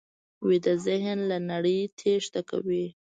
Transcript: ویده ذهن له نړۍ تېښته کوي